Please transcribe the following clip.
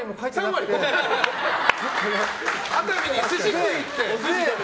熱海に寿司食いに行って？